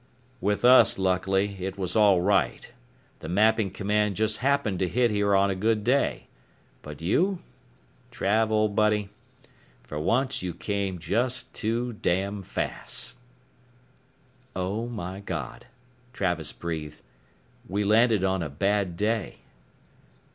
"With us, luckily, it was all right. The Mapping Command just happened to hit here on a good day. But you? Trav, old buddy, for once you came just too damn fast " "Oh my God," Travis breathed. "We landed on a bad day."